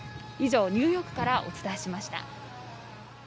以上、ニューヨークからお伝えしました。